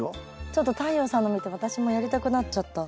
ちょっと太陽さんの見て私もやりたくなっちゃった。